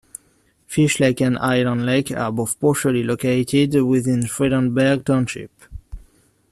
Fish Lake and Island Lake are both partially located within Fredenberg Township.